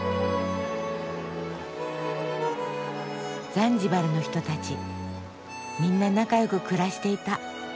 ザンジバルの人たちみんな仲良く暮らしていた。